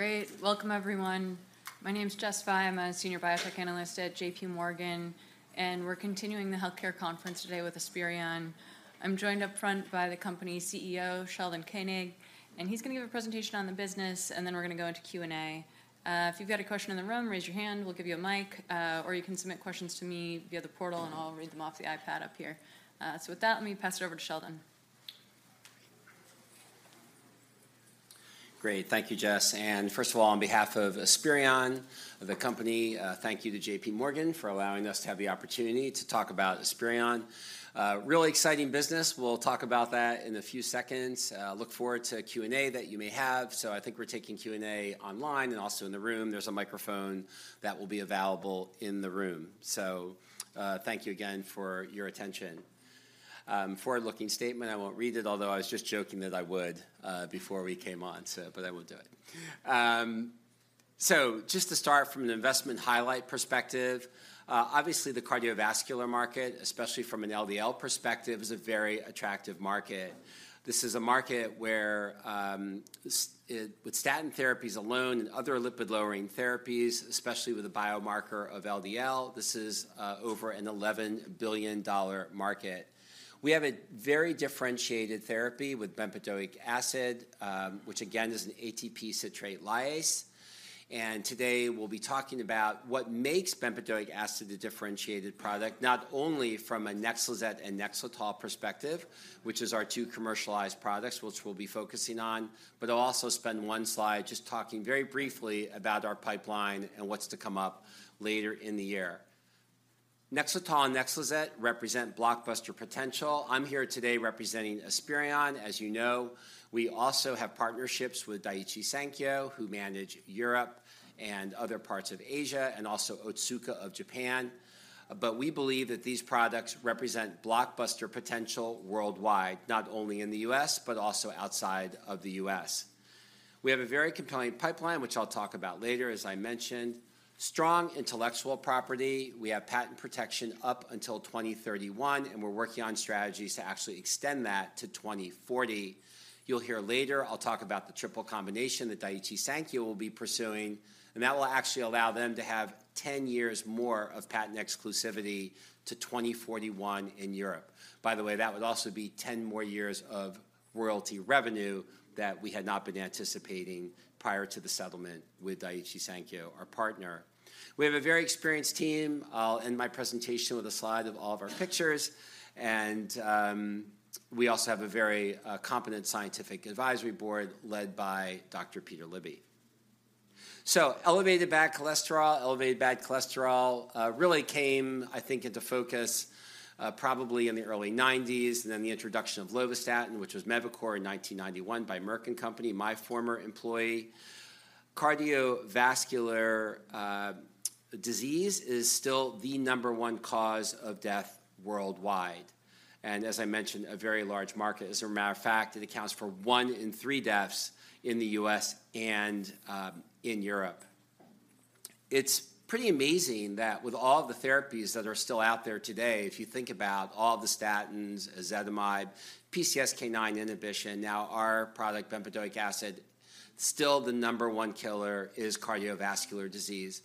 Great! Welcome, everyone. My name is Jessica Fye. I'm a Senior Biotech Analyst at J.P. Morgan, and we're continuing the healthcare conference today with Esperion. I'm joined up front by the company's CEO, Sheldon Koenig, and he's gonna give a presentation on the business, and then we're gonna go into Q&A. If you've got a question in the room, raise your hand, we'll give you a mic, or you can submit questions to me via the portal, and I'll read them off the iPad up here. So with that, let me pass it over to Sheldon. Great. Thank you, Jess, and first of all, on behalf of Esperion, the company, thank you to J.P. Morgan for allowing us to have the opportunity to talk about Esperion. Really exciting business. We'll talk about that in a few seconds. Look forward to Q&A that you may have. So I think we're taking Q&A online and also in the room. There's a microphone that will be available in the room. So, thank you again for your attention. Forward-looking statement, I won't read it, although I was just joking that I would, before we came on, so, but I won't do it. So just to start from an investment highlight perspective, obviously, the cardiovascular market, especially from an LDL perspective, is a very attractive market. This is a market where, with statin therapies alone and other lipid-lowering therapies, especially with the biomarker of LDL, this is over an $11 billion market. We have a very differentiated therapy with bempedoic acid, which again, is an ATP citrate lyase. And today, we'll be talking about what makes bempedoic acid a differentiated product, not only from a NEXLIZET and NEXLETOL perspective, which is our two commercialized products, which we'll be focusing on, but I'll also spend one slide just talking very briefly about our pipeline and what's to come up later in the year. NEXLETOL and NEXLIZET represent blockbuster potential. I'm here today representing Esperion. As you know, we also have partnerships with Daiichi Sankyo, who manage Europe and other parts of Asia, and also Otsuka of Japan. But we believe that these products represent blockbuster potential worldwide, not only in the U.S., but also outside of the U.S. We have a very compelling pipeline, which I'll talk about later, as I mentioned. Strong intellectual property. We have patent protection up until 2031, and we're working on strategies to actually extend that to 2040. You'll hear later, I'll talk about the triple combination that Daiichi Sankyo will be pursuing, and that will actually allow them to have 10 years more of patent exclusivity to 2041 in Europe. By the way, that would also be 10 more years of royalty revenue that we had not been anticipating prior to the settlement with Daiichi Sankyo, our partner. We have a very experienced team. I'll end my presentation with a slide of all of our pictures, and we also have a very competent scientific advisory board led by Dr. Peter Libby. So elevated bad cholesterol. Elevated bad cholesterol really came, I think, into focus, probably in the early 1990s, and then the introduction of lovastatin, which was Mevacor in 1991 by Merck & Co., my former employee. Cardiovascular disease is still the number one cause of death worldwide, and as I mentioned, a very large market. As a matter of fact, it accounts for one in three deaths in the U.S. and in Europe. It's pretty amazing that with all the therapies that are still out there today, if you think about all the statins, ezetimibe, PCSK9 inhibition, now our product, bempedoic acid, still the number one killer is cardiovascular disease.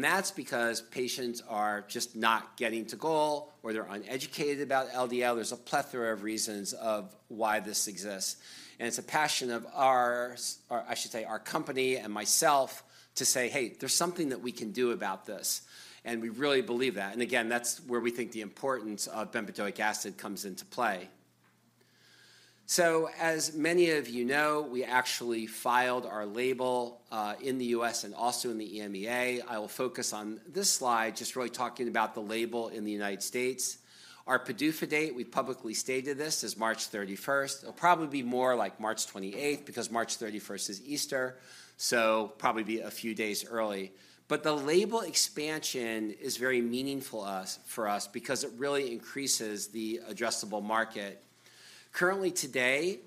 That's because patients are just not getting to goal, or they're uneducated about LDL. There's a plethora of reasons of why this exists, and it's a passion of ours, or I should say, our company and myself, to say, "Hey, there's something that we can do about this." And we really believe that. And again, that's where we think the importance of bempedoic acid comes into play. So, as many of you know, we actually filed our label in the U.S. and also in the EMEA. I will focus on this slide, just really talking about the label in the United States. Our PDUFA date, we publicly stated this, is March 31st. It'll probably be more like March 28th because March 31st is Easter, so probably be a few days early. But the label expansion is very meaningful for us because it really increases the addressable market. Currently today,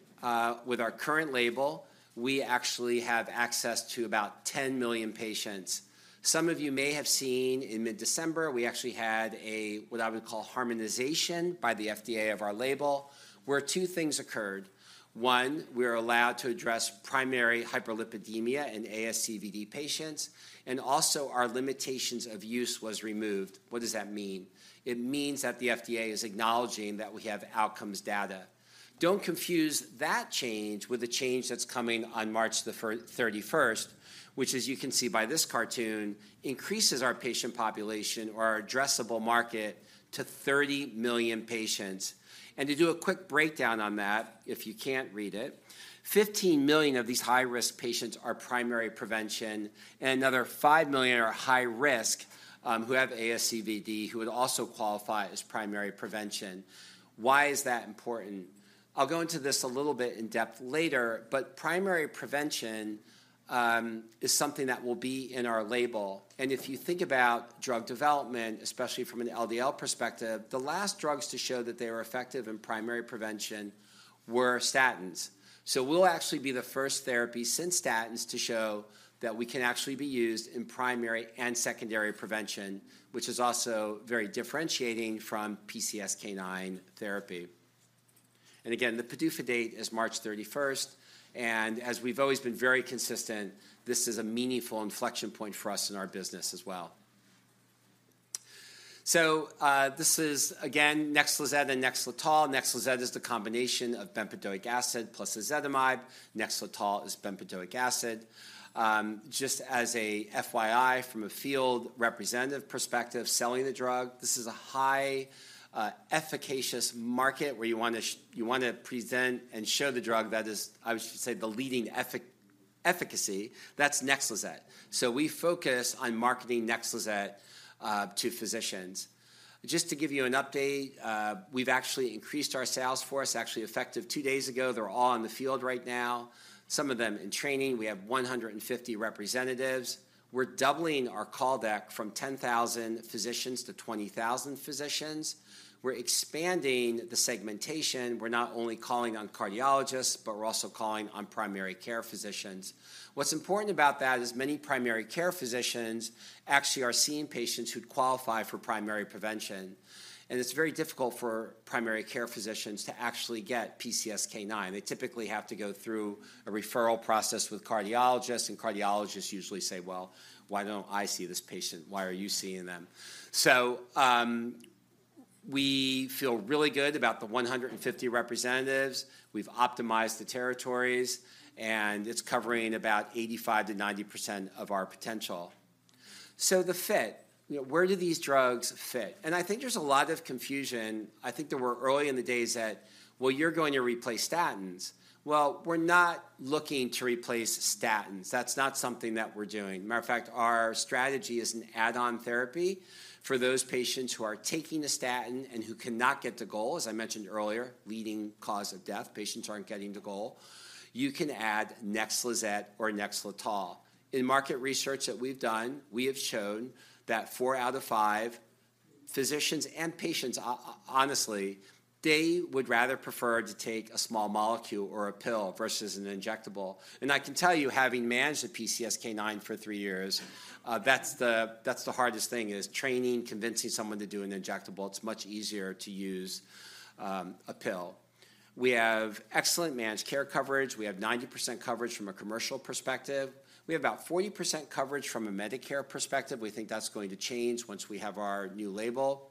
with our current label, we actually have access to about 10 million patients. Some of you may have seen in mid-December, we actually had a, what I would call, harmonization by the FDA of our label, where two things occurred. One, we are allowed to address primary hyperlipidemia in ASCVD patients, and also our limitations of use was removed. What does that mean? It means that the FDA is acknowledging that we have outcomes data. Don't confuse that change with the change that's coming on March 31, which, as you can see by this cartoon, increases our patient population or our addressable market to 30 million patients. And to do a quick breakdown on that, if you can't read it, 15 million of these high-risk patients are primary prevention, and nother $5 million are high risk, who have ASCVD, who would also qualify as primary prevention. Why is that important? I'll go into this a little bit in depth later, but primary prevention is something that will be in our label. And if you think about drug development, especially from an LDL perspective, the last drugs to show that they were effective in primary prevention were statins. So we'll actually be the first therapy since statins to show that we can actually be used in primary and secondary prevention, which is also very differentiating from PCSK9 therapy.... And again, the PDUFA date is March 31st, and as we've always been very consistent, this is a meaningful inflection point for us in our business as well. So, this is, again, NEXLIZET and NEXLETOL. NEXLIZET is the combination of bempedoic acid plus ezetimibe. NEXLETOL is bempedoic acid. Just as a FYI, from a field representative perspective, selling the drug, this is a high, efficacious market where you want to present and show the drug that is, I should say, the leading efficacy, that's NEXLIZET. So we focus on marketing NEXLIZET to physicians. Just to give you an update, we've actually increased our sales force, actually effective two days ago. They're all in the field right now, some of them in training. We have 150 representatives. We're doubling our call deck from 10,000 physicians to 20,000 physicians. We're expanding the segmentation. We're not only calling on cardiologists, but we're also calling on primary care physicians. What's important about that is many primary care physicians actually are seeing patients who'd qualify for primary prevention, and it's very difficult for primary care physicians to actually get PCSK9. They typically have to go through a referral process with cardiologists, and cardiologists usually say: "Well, why don't I see this patient? Why are you seeing them?" So, we feel really good about the 150 representatives. We've optimized the territories, and it's covering about 85%-90% of our potential. So the fit, you know, where do these drugs fit? And I think there's a lot of confusion. I think there were early in the days that, "Well, you're going to replace statins." Well, we're not looking to replace statins. That's not something that we're doing. Matter of fact, our strategy is an add-on therapy for those patients who are taking a statin and who cannot get to goal, as I mentioned earlier, leading cause of death, patients aren't getting to goal. You can add NEXLIZET or NEXLETOL. In market research that we've done, we have shown that four out of five physicians and patients, honestly, they would rather prefer to take a small molecule or a pill versus an injectable. And I can tell you, having managed a PCSK9 for three years, that's the, that's the hardest thing, is training, convincing someone to do an injectable. It's much easier to use a pill. We have excellent managed care coverage. We have 90% coverage from a commercial perspective. We have about 40% coverage from a Medicare perspective. We think that's going to change once we have our new label.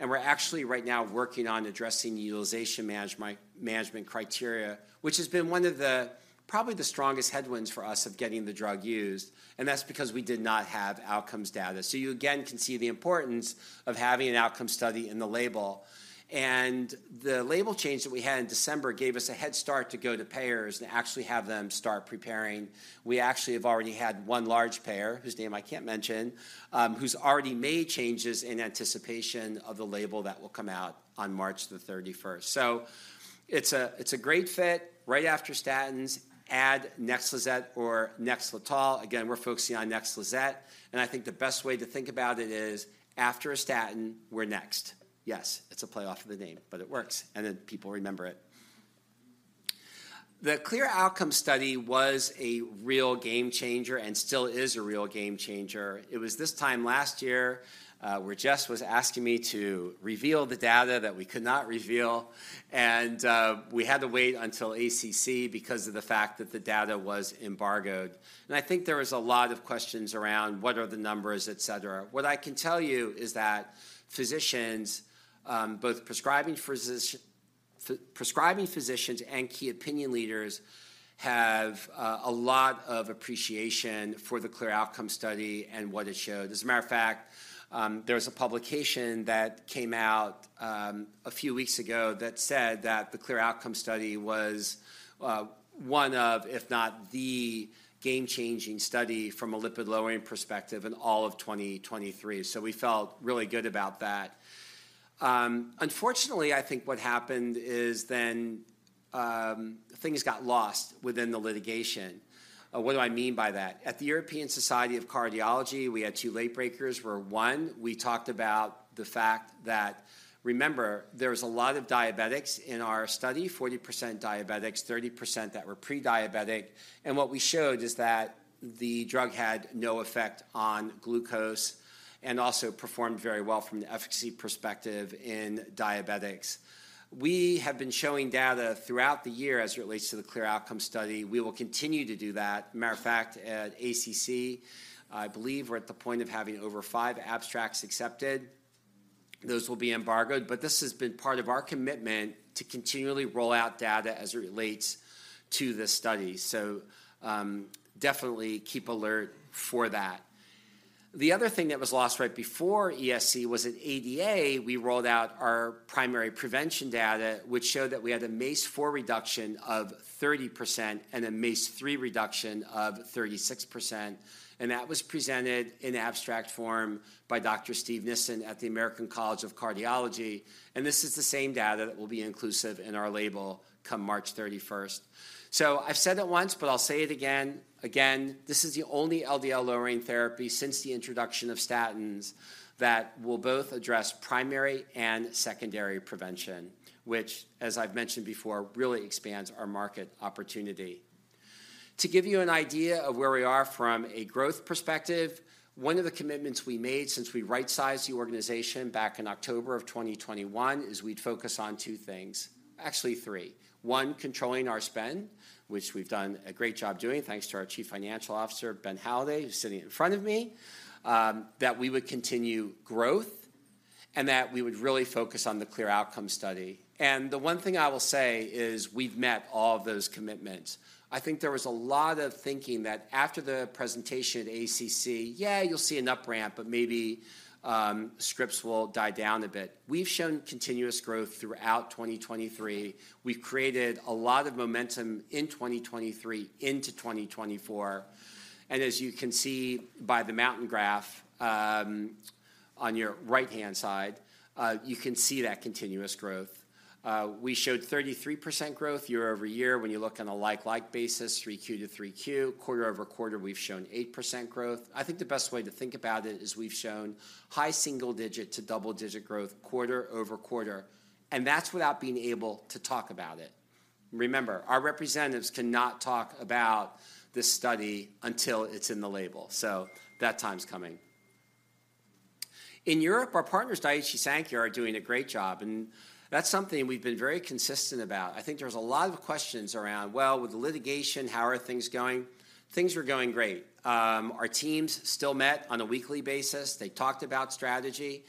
We're actually right now working on addressing the utilization management criteria, which has been one of the, probably, the strongest headwinds for us of getting the drug used, and that's because we did not have outcomes data. So you, again, can see the importance of having an outcome study in the label. And the label change that we had in December gave us a head start to go to payers and actually have them start preparing. We actually have already had one large payer, whose name I can't mention, who's already made changes in anticipation of the label that will come out on March 31st. So it's a, it's a great fit. Right after statins, add NEXLIZET or NEXLETOL. Again, we're focusing on NEXLIZET, and I think the best way to think about it is: after a statin, we're next. Yes, it's a play off of the name, but it works, and then people remember it. The CLEAR Outcomes study was a real game changer and still is a real game changer. It was this time last year, where Jess was asking me to reveal the data that we could not reveal, and we had to wait until ACC because of the fact that the data was embargoed. And I think there was a lot of questions around what are the numbers, et cetera. What I can tell you is that physicians, both prescribing physicians and key opinion leaders, have a lot of appreciation for the CLEAR Outcomes study and what it showed. As a matter of fact, there was a publication that came out a few weeks ago that said that the CLEAR Outcomes study was one of, if not the game-changing study from a lipid-lowering perspective in all of 2023. So we felt really good about that. Unfortunately, I think what happened is then things got lost within the litigation. What do I mean by that? At the European Society of Cardiology, we had two late breakers, where one, we talked about the fact that, remember, there was a lot of diabetics in our study, 40% diabetics, 30% that were pre-diabetic. And what we showed is that the drug had no effect on glucose and also performed very well from the efficacy perspective in diabetics. We have been showing data throughout the year as it relates to the CLEAR Outcomes study. We will continue to do that. Matter of fact, at ACC, I believe we're at the point of having over 5 abstracts accepted. Those will be embargoed, but this has been part of our commitment to continually roll out data as it relates to this study. So, definitely keep alert for that. The other thing that was lost right before ESC was at ADA, we rolled out our primary prevention data, which showed that we had a MACE 4 reduction of 30% and a MACE 3 reduction of 36%, and that was presented in abstract form by Dr. Steve Nissen at the American College of Cardiology, and this is the same data that will be inclusive in our label come March 31st. So I've said it once, but I'll say it again. Again, this is the only LDL-lowering therapy since the introduction of statins that will both address primary and secondary prevention, which, as I've mentioned before, really expands our market opportunity. To give you an idea of where we are from a growth perspective, one of the commitments we made since we right-sized the organization back in October 2021 is we'd focus on two things, actually three: One, controlling our spend, which we've done a great job doing, thanks to our Chief Financial Officer, Ben Halladay, who's sitting in front of me. That we would continue growth, and that we would really focus on the CLEAR Outcomes study. And the one thing I will say is we've met all of those commitments. I think there was a lot of thinking that after the presentation at ACC, yeah, you'll see an up ramp, but maybe scripts will die down a bit. We've shown continuous growth throughout 2023. We've created a lot of momentum in 2023 into 2024, and as you can see by the mountain graph on your right-hand side, you can see that continuous growth. We showed 33% growth year-over-year. When you look on a like-like basis, Q3 to Q3. Quarter-over-quarter, we've shown 8% growth. I think the best way to think about it is we've shown high single-digit to double-digit growth quarter-over-quarter, and that's without being able to talk about it. Remember, our representatives cannot talk about this study until it's in the label, so that time's coming. In Europe, our partners, Daiichi Sankyo, are doing a great job, and that's something we've been very consistent about. I think there's a lot of questions around, well, with the litigation, how are things going? Things are going great. Our teams still met on a weekly basis. They talked about strategy.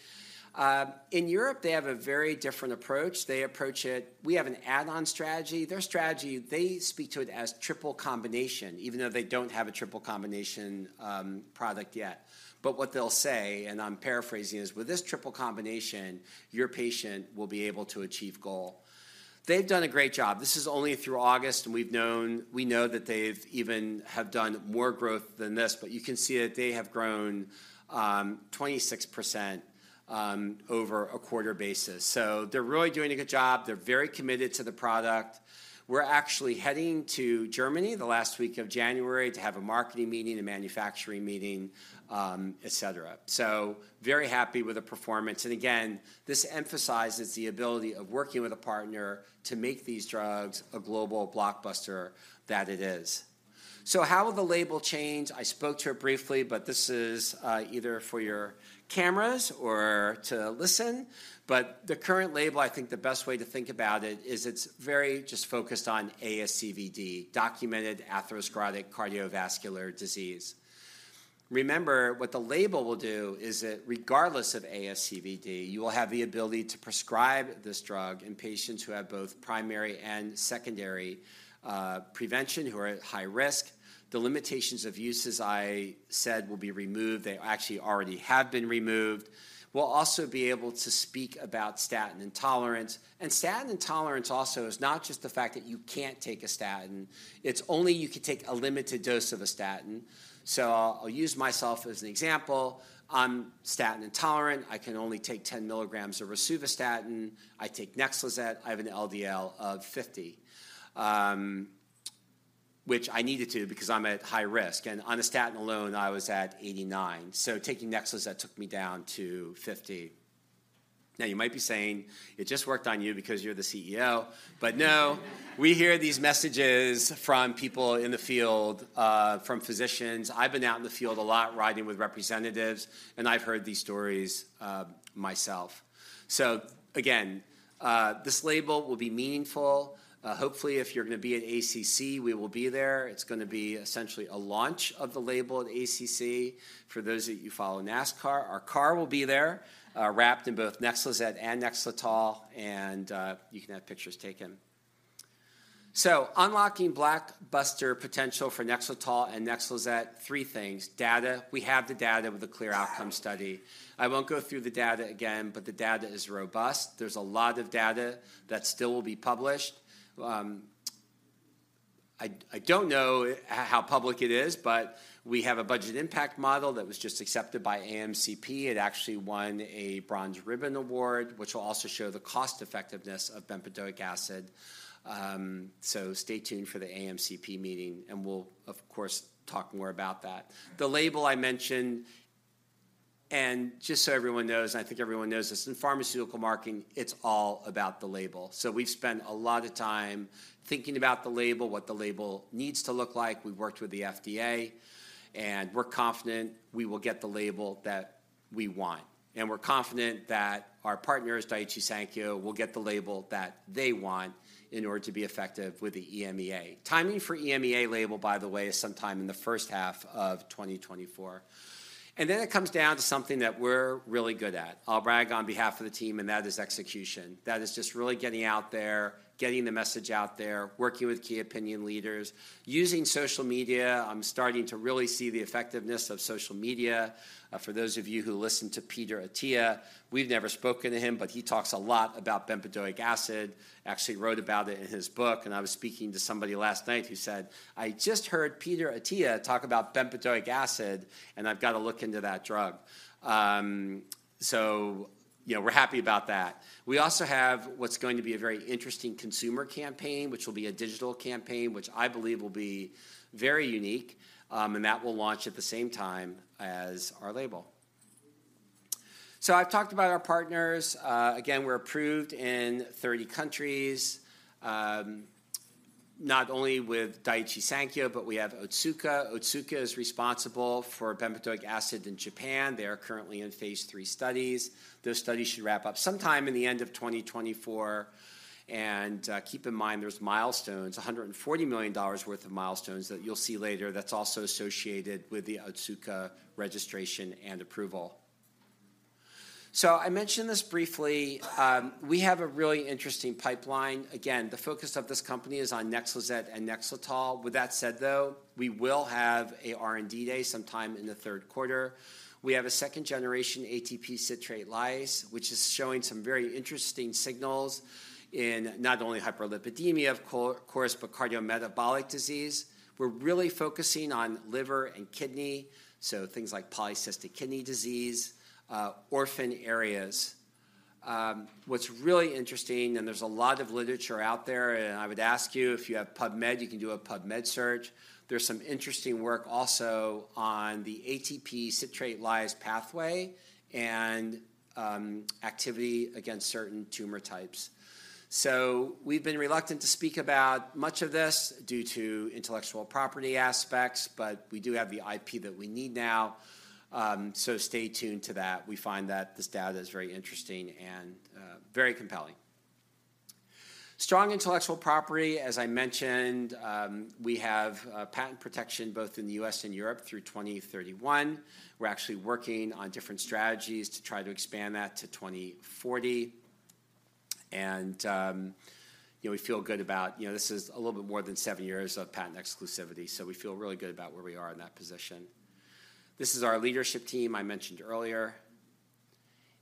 In Europe, they have a very different approach. They approach it... We have an add-on strategy. Their strategy, they speak to it as triple combination, even though they don't have a triple combination, product yet. But what they'll say, and I'm paraphrasing, is, "With this triple combination, your patient will be able to achieve goal." They've done a great job. This is only through August, and we know that they've even done more growth than this, but you can see that they have grown, 26%, over a quarter basis. So they're really doing a good job. They're very committed to the product. We're actually heading to Germany the last week of January to have a marketing meeting, a manufacturing meeting, et cetera. So very happy with the performance. And again, this emphasizes the ability of working with a partner to make these drugs a global blockbuster that it is. So how will the label change? I spoke to it briefly, but this is either for your cameras or to listen. But the current label, I think the best way to think about it is it's very just focused on ASCVD, documented atherosclerotic cardiovascular disease. Remember, what the label will do is that regardless of ASCVD, you will have the ability to prescribe this drug in patients who have both primary and secondary prevention, who are at high risk. The limitations of use, as I said, will be removed. They actually already have been removed. We'll also be able to speak about statin intolerance, and statin intolerance also is not just the fact that you can't take a statin, it's only you can take a limited dose of a statin. So I'll use myself as an example. I'm statin intolerant. I can only take 10 milligrams of rosuvastatin. I take NEXLIZET. I have an LDL of 50, which I needed to because I'm at high risk, and on a statin alone, I was at 89. So taking NEXLIZET took me down to 50. Now, you might be saying, "It just worked on you because you're the CEO," but no, we hear these messages from people in the field, from physicians. I've been out in the field a lot, riding with representatives, and I've heard these stories myself. So again, this label will be meaningful. Hopefully, if you're going to be at ACC, we will be there. It's going to be essentially a launch of the label at ACC. For those of you who follow NASCAR, our car will be there, wrapped in both NEXLIZET and NEXLETOL, and you can have pictures taken. So unlocking blockbuster potential for NEXLETOL and NEXLIZET, three things: Data. We have the data with a clear outcome study. I won't go through the data again, but the data is robust. There's a lot of data that still will be published. I don't know how public it is, but we have a budget impact model that was just accepted by AMCP. It actually won a Bronze Ribbon award, which will also show the cost-effectiveness of bempedoic acid. So stay tuned for the AMCP meeting, and we'll, of course, talk more about that. The label I mentioned, and just so everyone knows, and I think everyone knows this, in pharmaceutical marketing, it's all about the label. So we've spent a lot of time thinking about the label, what the label needs to look like. We've worked with the FDA, and we're confident we will get the label that we want. And we're confident that our partners, Daiichi Sankyo, will get the label that they want in order to be effective with the EMEA. Timing for EMEA label, by the way, is sometime in the first half of 2024. And then it comes down to something that we're really good at. I'll brag on behalf of the team, and that is execution. That is just really getting out there, getting the message out there, working with key opinion leaders, using social media. I'm starting to really see the effectiveness of social media. For those of you who listen to Peter Attia, we've never spoken to him, but he talks a lot about bempedoic acid. Actually wrote about it in his book, and I was speaking to somebody last night who said: "I just heard Peter Attia talk about bempedoic acid, and I've got to look into that drug." So, you know, we're happy about that. We also have what's going to be a very interesting consumer campaign, which will be a digital campaign, which I believe will be very unique, and that will launch at the same time as our label. So I've talked about our partners. Again, we're approved in 30 countries, not only with Daiichi Sankyo, but we have Otsuka. Otsuka is responsible for bempedoic acid in Japan. They are currently in phase III studies. Those studies should wrap up sometime in the end of 2024. And, keep in mind, there's milestones, $140 million worth of milestones that you'll see later that's also associated with the Otsuka registration and approval. So I mentioned this briefly, we have a really interesting pipeline. Again, the focus of this company is on NEXLIZET and NEXLETOL. With that said, though, we will have an R&D day sometime in the third quarter. We have a second-generation ATP citrate lyase, which is showing some very interesting signals in not only hyperlipidemia, of course, but cardiometabolic disease. We're really focusing on liver and kidney, so things like polycystic kidney disease, orphan areas. What's really interesting, and there's a lot of literature out there, and I would ask you, if you have PubMed, you can do a PubMed search. There's some interesting work also on the ATP citrate lyase pathway and activity against certain tumor types. So we've been reluctant to speak about much of this due to intellectual property aspects, but we do have the IP that we need now, so stay tuned to that. We find that this data is very interesting and very compelling. Strong intellectual property, as I mentioned, we have patent protection both in the U.S. and Europe through 2031. We're actually working on different strategies to try to expand that to 2040. And, you know, we feel good about... You know, this is a little bit more than seven years of patent exclusivity, so we feel really good about where we are in that position. This is our leadership team I mentioned earlier,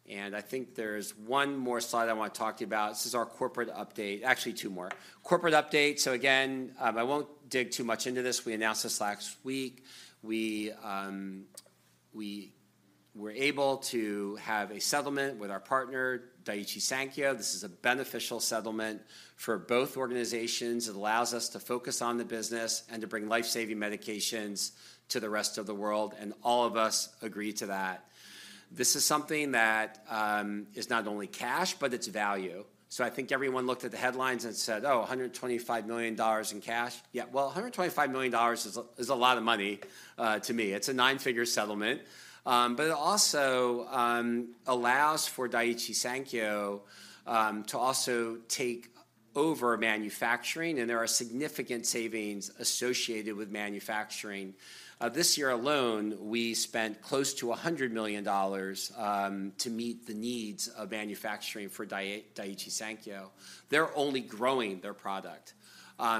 and I think there's one more slide I want to talk to you about. This is our corporate update, actually, two more. Corporate update. So again, I won't dig too much into this. We announced this last week. We were able to have a settlement with our partner, Daiichi Sankyo. This is a beneficial settlement for both organizations. It allows us to focus on the business and to bring life-saving medications to the rest of the world, and all of us agree to that. This is something that is not only cash, but it's value. So I think everyone looked at the headlines and said: "Oh, $125 million in cash?" Yeah. Well, $125 million is a lot of money to me. It's a nine-figure settlement, but it also allows for Daiichi Sankyo to take over manufacturing, and there are significant savings associated with manufacturing. This year alone, we spent close to $100 million to meet the needs of manufacturing for Daiichi Sankyo. They're only growing their product.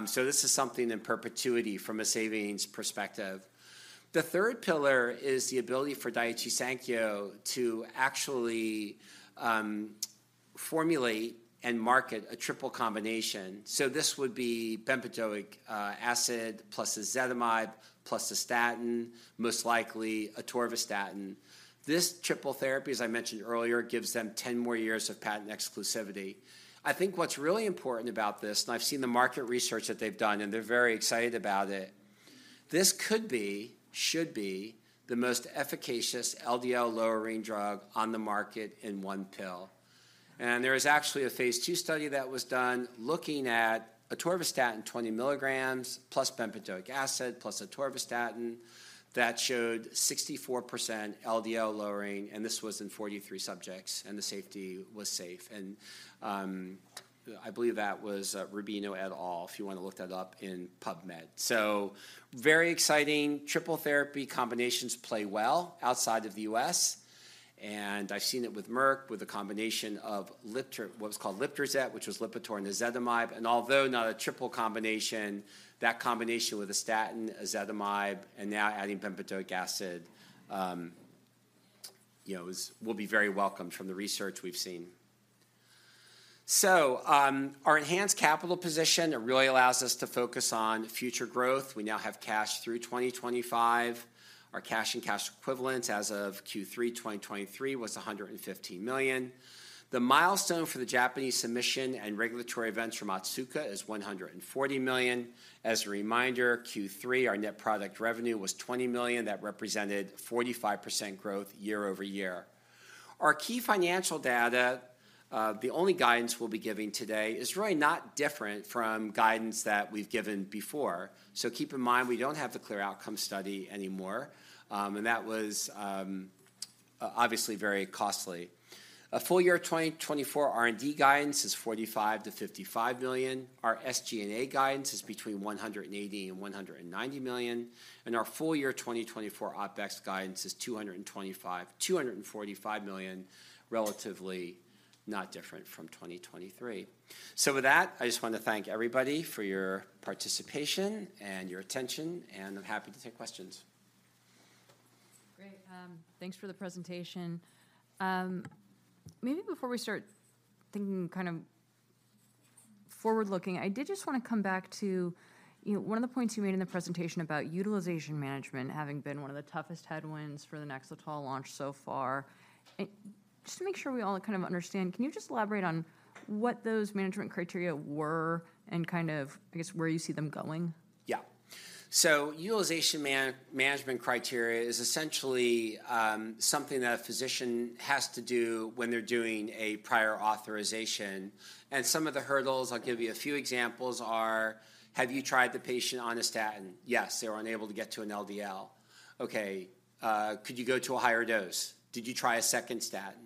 So this is something in perpetuity from a savings perspective. The third pillar is the ability for Daiichi Sankyo to actually formulate and market a triple combination. So this would be bempedoic acid, plus ezetimibe, plus a statin, most likely atorvastatin. This triple therapy, as I mentioned earlier, gives them 10 more years of patent exclusivity. I think what's really important about this, and I've seen the market research that they've done, and they're very excited about it, this could be, should be, the most efficacious LDL-lowering drug on the market in one pill. And there is actually a phase II study that was done looking at atorvastatin 20 milligrams, plus bempedoic acid, plus atorvastatin, that showed 64% LDL lowering, and this was in 43 subjects, and the safety was safe. And, I believe that was, Rubino et al., if you want to look that up in PubMed. So very exciting. Triple therapy combinations play well outside of the U.S., and I've seen it with Merck, with a combination of what was called Lipitor-Zetia, which was Lipitor and ezetimibe. Although not a triple combination, that combination with a statin, ezetimibe, and now adding bempedoic acid, you know, is, will be very welcomed from the research we've seen. Our enhanced capital position, it really allows us to focus on future growth. We now have cash through 2025. Our cash and cash equivalents as of Q3 2023 was $115 million. The milestone for the Japanese submission and regulatory events from Otsuka is $140 million. As a reminder, Q3, our net product revenue was $20 million. That represented 45% growth year-over-year. Our key financial data, the only guidance we'll be giving today, is really not different from guidance that we've given before. Keep in mind, we don't have the CLEAR Outcomes study anymore, and that was, obviously very costly. A full-year 2024 R&D guidance is $45 million-$55 million. Our SG&A guidance is between $180 million and $190 million, and our full-year 2024 OpEx guidance is $225 million-$245 million, relatively not different from 2023. So with that, I just want to thank everybody for your participation and your attention, and I'm happy to take questions. Great. Thanks for the presentation. Maybe before we start thinking kind of forward-looking, I did just want to come back to, you know, one of the points you made in the presentation about utilization management having been one of the toughest headwinds for the NEXLETOL launch so far. And just to make sure we all kind of understand, can you just elaborate on what those management criteria were and kind of, I guess, where you see them going? Yeah. So utilization management criteria is essentially something that a physician has to do when they're doing a prior authorization. And some of the hurdles, I'll give you a few examples, are: Have you tried the patient on a statin? Yes, they were unable to get to an LDL. Okay, could you go to a higher dose? Did you try a second statin?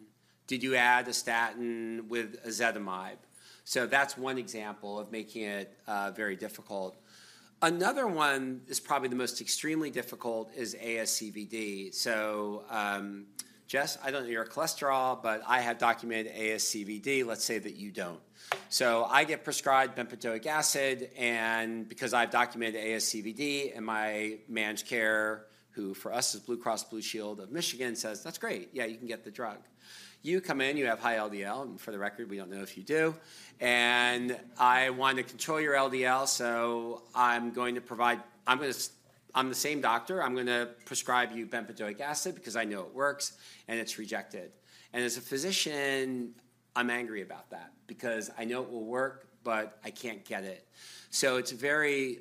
Did you add a statin with ezetimibe? So that's one example of making it very difficult. Another one is probably the most extremely difficult, is ASCVD. So, Jess, I don't know your cholesterol, but I have documented ASCVD. Let's say that you don't. So I get prescribed bempedoic acid, and because I've documented ASCVD, and my managed care, who for us is Blue Cross Blue Shield of Michigan, says, "That's great! Yeah, you can get the drug." You come in, you have high LDL, and for the record, we don't know if you do, and I want to control your LDL, so I'm going to provide. I'm the same doctor. I'm gonna prescribe you bempedoic acid because I know it works, and it's rejected. And as a physician, I'm angry about that because I know it will work, but I can't get it. So it's very,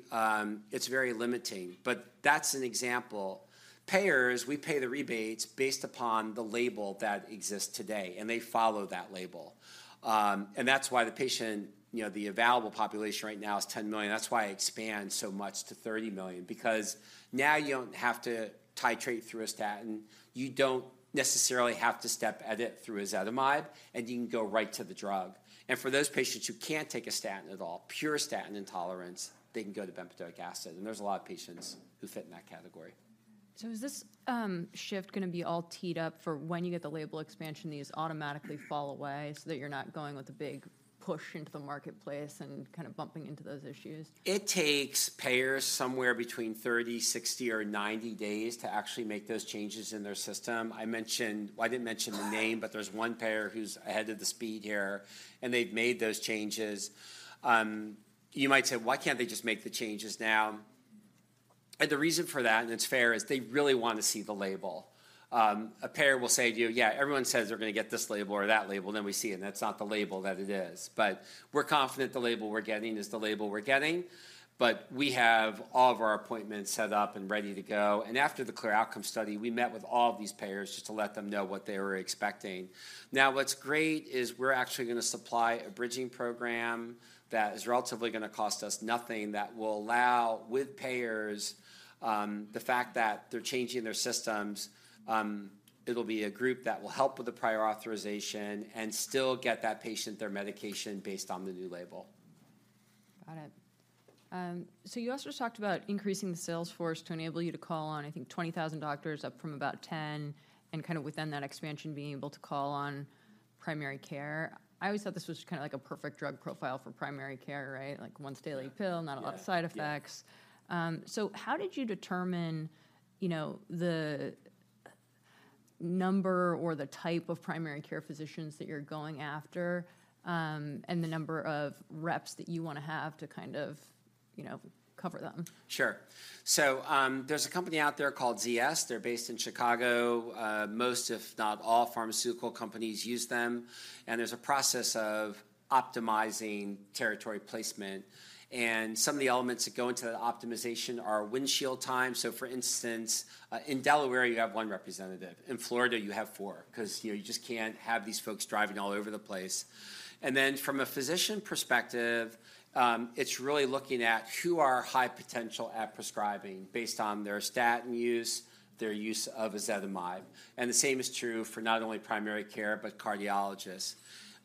it's very limiting, but that's an example. Payers, we pay the rebates based upon the label that exists today, and they follow that label. And that's why the patient, you know, the available population right now is $10 million. That's why it expands so much to $30 million because now you don't have to titrate through a statin, you don't necessarily have to step edit through ezetimibe, and you can go right to the drug. And for those patients who can't take a statin at all, pure statin intolerance, they can go to bempedoic acid, and there's a lot of patients who fit in that category. So is this shift gonna be all teed up for when you get the label expansion, these automatically fall away so that you're not going with a big push into the marketplace and kind of bumping into those issues? It takes payers somewhere between 30, 60, or 90 days to actually make those changes in their system. Well, I didn't mention the name, but there's one payer who's ahead of the speed here, and they've made those changes. You might say, "Why can't they just make the changes now?" And the reason for that, and it's fair, is they really want to see the label. A payer will say to you, "Yeah, everyone says they're gonna get this label or that label, then we see it, and that's not the label that it is." But we're confident the label we're getting is the label we're getting, but we have all of our appointments set up and ready to go. And after the CLEAR Outcomes study, we met with all of these payers just to let them know what they were expecting. Now, what's great is we're actually gonna supply a bridging program that is relatively gonna cost us nothing, that will allow, with payers, the fact that they're changing their systems, it'll be a group that will help with the prior authorization and still get that patient their medication based on the new label. Got it. So you also talked about increasing the sales force to enable you to call on, I think, 20,000 doctors, up from about 10, and kind of within that expansion, being able to call on primary care. I always thought this was kind of like a perfect drug profile for primary care, right? Like, once-daily pill- Yeah... not a lot of side effects. Yeah. So how did you determine, you know, the number or the type of primary care physicians that you're going after, and the number of reps that you wanna have to kind of, you know, cover them? Sure. So, there's a company out there called ZS. They're based in Chicago. Most, if not all, pharmaceutical companies use them, and there's a process of optimizing territory placement, and some of the elements that go into that optimization are windshield time. So for instance, in Delaware, you have one representative. In Florida, you have four, 'cause, you know, you just can't have these folks driving all over the place. And then from a physician perspective, it's really looking at who are high potential at prescribing based on their statin use, their use of ezetimibe, and the same is true for not only primary care, but cardiologists.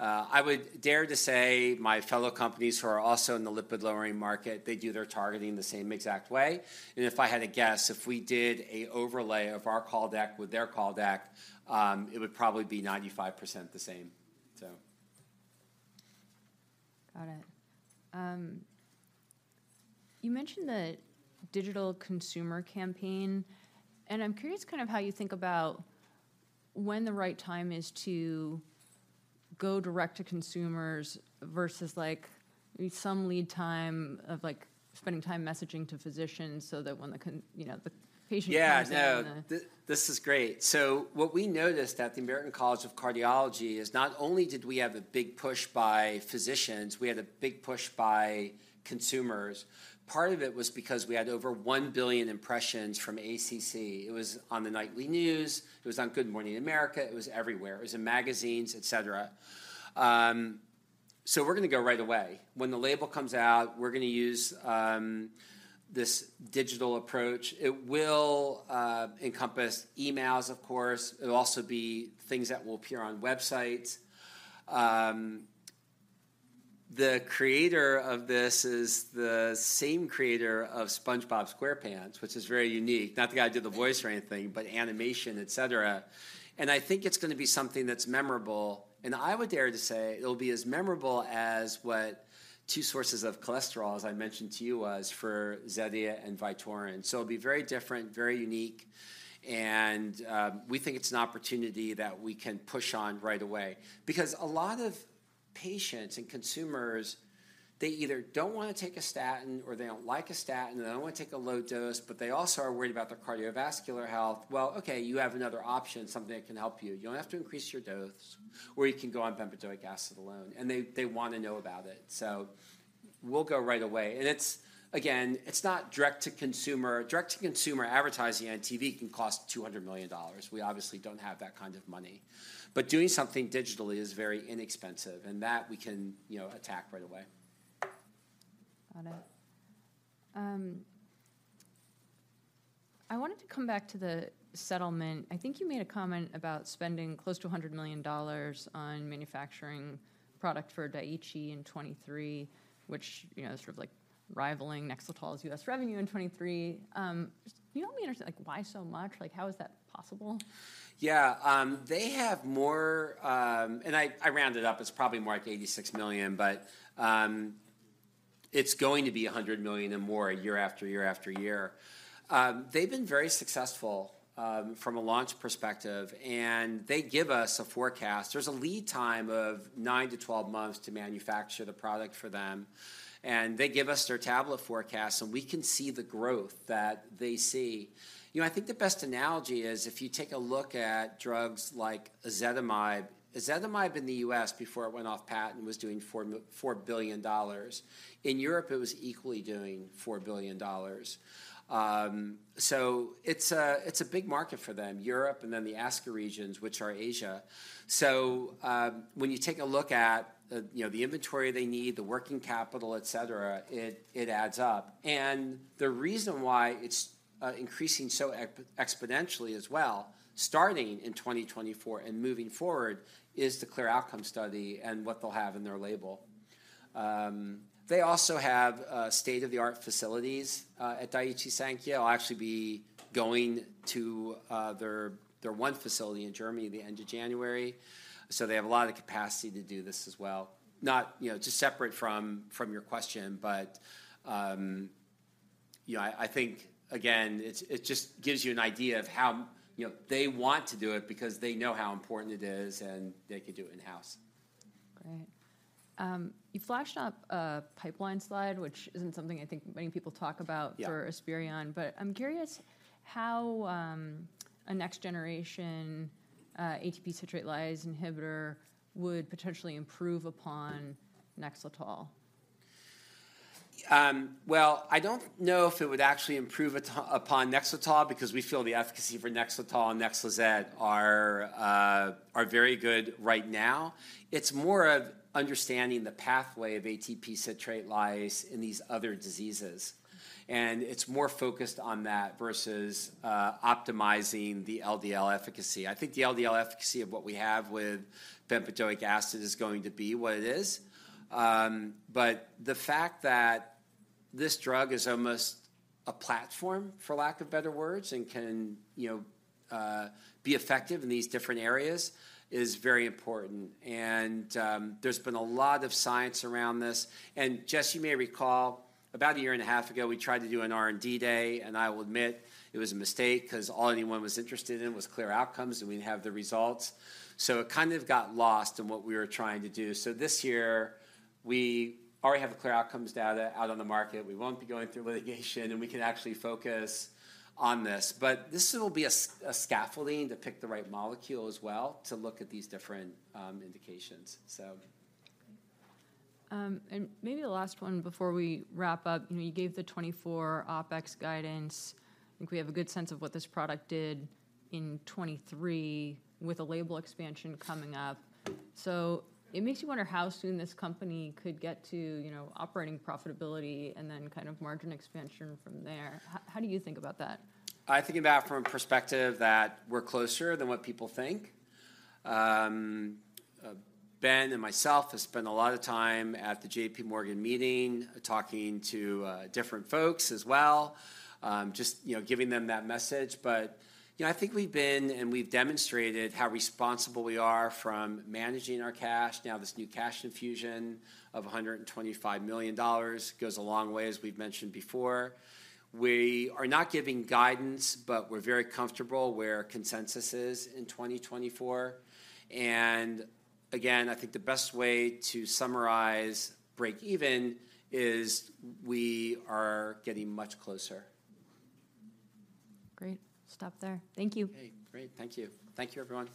I would dare to say my fellow companies who are also in the lipid-lowering market, they do their targeting the same exact way. If I had to guess, if we did an overlay of our call deck with their call deck, it would probably be 95% the same, so. Got it. You mentioned the digital consumer campaign, and I'm curious kind of how you think about when the right time is to go direct to consumers versus, like, some lead time of, like, spending time messaging to physicians so that when you know, the patient comes in and- Yeah, no, this is great. So what we noticed at the American College of Cardiology is not only did we have a big push by physicians, we had a big push by consumers. Part of it was because we had over 1 billion impressions from ACC. It was on the nightly news, it was on Good Morning America, it was everywhere. It was in magazines, etc. So we're gonna go right away. When the label comes out, we're gonna use this digital approach. It will encompass emails, of course. It'll also be things that will appear on websites. The creator of this is the same creator of SpongeBob SquarePants, which is very unique. Not the guy who did the voice or anything, but animation, etc. And I think it's gonna be something that's memorable, and I would dare to say it'll be as memorable as what two sources of cholesterol, as I mentioned to you, was for Zetia and Vytorin. So it'll be very different, very unique, and we think it's an opportunity that we can push on right away. Because a lot of patients and consumers, they either don't want to take a statin or they don't like a statin, or they don't want to take a low dose, but they also are worried about their cardiovascular health. Well, okay, you have another option, something that can help you. You don't have to increase your dose, or you can go on bempedoic acid alone, and they, they want to know about it. So yeah, we'll go right away. And it's, again, it's not direct-to-consumer. Direct-to-consumer advertising on TV can cost $200 million. We obviously don't have that kind of money. But doing something digitally is very inexpensive, and that we can, you know, attack right away. Got it. I wanted to come back to the settlement. I think you made a comment about spending close to $100 million on manufacturing product for Daiichi in 2023, which, you know, is sort of like rivaling NEXLETOL's U.S. revenue in 2023. Do you know, like, why so much? Like, how is that possible? Yeah, they have more. And I rounded up. It's probably more like $86 million, but it's going to be $100 million and more year-after-year. They've been very successful from a launch perspective, and they give us a forecast. There's a lead time of 9 months-12 months to manufacture the product for them, and they give us their tablet forecast, and we can see the growth that they see. You know, I think the best analogy is if you take a look at drugs like ezetimibe. Ezetimibe in the U.S., before it went off patent, was doing $4 billion. In Europe, it was equally doing $4 billion. So it's a big market for them, Europe, and then the ASEAN regions, which are Asia. So, when you take a look at, you know, the inventory they need, the working capital, et cetera, it, it adds up. The reason why it's increasing so exponentially as well, starting in 2024 and moving forward, is the CLEAR Outcomes study and what they'll have in their label. They also have state-of-the-art facilities at Daiichi Sankyo. I'll actually be going to their one facility in Germany at the end of January. So they have a lot of capacity to do this as well. Not, you know, to separate from your question, but, you know, I think, again, it just gives you an idea of how, you know, they want to do it because they know how important it is, and they can do it in-house. Great. You flashed up a pipeline slide, which isn't something I think many people talk about- Yeah... for Esperion, but I'm curious how a next-generation ATP citrate lyase inhibitor would potentially improve upon NEXLETOL? Well, I don't know if it would actually improve upon NEXLETOL because we feel the efficacy for NEXLETOL and NEXLIZET are very good right now. It's more of understanding the pathway of ATP citrate lyase in these other diseases, and it's more focused on that versus optimizing the LDL efficacy. I think the LDL efficacy of what we have with bempedoic acid is going to be what it is. But the fact that this drug is almost a platform, for lack of better words, and can, you know, be effective in these different areas, is very important. And, there's been a lot of science around this. Jess, you may recall, about a year and a half ago, we tried to do an R&D day, and I will admit it was a mistake 'cause all anyone was interested in was CLEAR Outcomes, and we didn't have the results. It kind of got lost in what we were trying to do. This year, we already have the CLEAR Outcomes data out on the market. We won't be going through litigation, and we can actually focus on this. But this will be a scaffolding to pick the right molecule as well, to look at these different indications, so. Maybe the last one before we wrap up. You know, you gave the 2024 OpEx guidance. I think we have a good sense of what this product did in 2023, with a label expansion coming up. So it makes you wonder how soon this company could get to, you know, operating profitability and then kind of margin expansion from there. How do you think about that? I think about it from a perspective that we're closer than what people think. Ben and myself have spent a lot of time at the J.P. Morgan meeting, talking to different folks as well, just, you know, giving them that message. But, you know, I think we've been, and we've demonstrated how responsible we are from managing our cash. Now, this new cash infusion of $125 million goes a long way, as we've mentioned before. We are not giving guidance, but we're very comfortable where consensus is in 2024. And again, I think the best way to summarize break even is we are getting much closer. Great. Stop there. Thank you. Okay, great. Thank you. Thank you, everyone.